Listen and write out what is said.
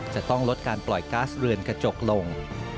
จะต้องลดการปล่อยก๊าซเรือนกระจกลง